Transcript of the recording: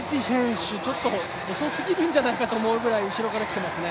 ロティッチ選手遅すぎるんじゃないかと思うくらい後ろからきていますね。